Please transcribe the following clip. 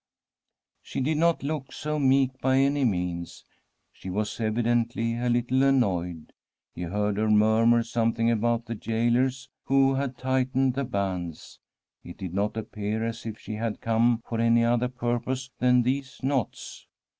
She did not look so meek by any means ; she was evidently a little annoyed. He heard her murmur something about the gaolers who had tightened the bands. It did not appear as if she had come for any other purpose than these knots.